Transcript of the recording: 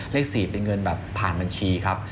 เลข๔เป็นเงินแบบผ่านบัญชีครับ